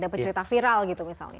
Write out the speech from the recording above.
dapat cerita viral gitu misalnya